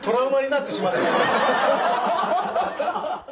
ハハハハハ！